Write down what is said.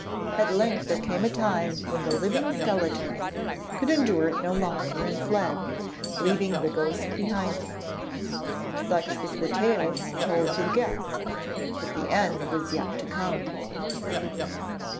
At length there came a time when the living skeletons could endure it no longer and fled, leaving the ghost behind them. Such was the tale told to the guest, but the end was yet to come.